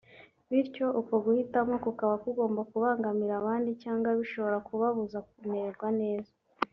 bityo uko guhitamo kukaba kugomba kubangamira abandi cyangwa bishobora kubabuza kumererwa neza